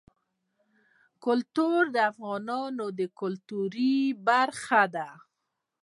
کلتور د افغانانو د ګټورتیا برخه ده.